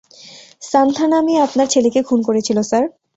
সান্থানামই আপনার ছেলেকে খুন করেছিল, স্যার।